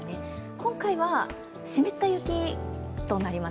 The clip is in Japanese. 今回は湿った雪となります。